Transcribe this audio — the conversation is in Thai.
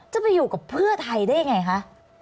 จะไปอยู่กับเพื่อไทยได้ยังไงคะ